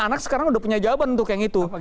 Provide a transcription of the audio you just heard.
anak sekarang udah punya jawaban untuk yang itu